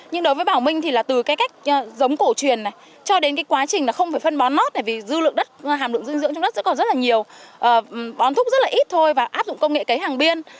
nhưng đối với bảo minh thì là từ cái cách giống cổ truyền này cho đến cái quá trình là không phải phân bón mót này vì dư lượng đất hàm lượng dư dưỡng trong đất sẽ còn rất là nhiều bón thúc rất là ít thôi và áp dụng công nghệ cấy hàng biên